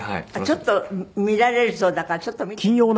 ちょっと見られるそうだからちょっと見てみましょう。